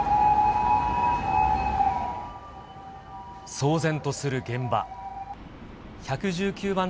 騒然とする現場。